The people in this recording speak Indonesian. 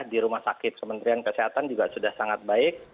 di rumah sakit kementerian kesehatan juga sudah sangat baik